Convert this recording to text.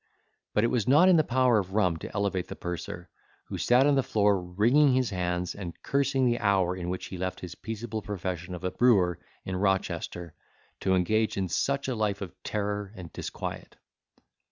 But it was not in the power of rum to elevate the purser, who sat on the floor wringing his hands, and cursing the hour in which he left his peaceable profession of a brewer in Rochester, to engage in such a life of terror and disquiet.